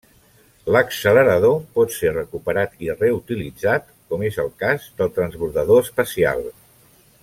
L'accelerador pot ser recuperat i reutilitzat, com és el cas del transbordador espacial.